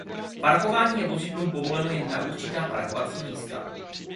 Parkování je vozidlům povoleno jen na určená parkovací místa.